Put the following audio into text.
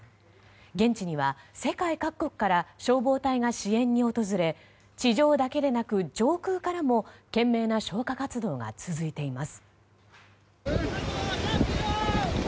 現地には世界各国から消防隊が支援に訪れ地上だけでなく、上空からも懸命な消火活動が続いています。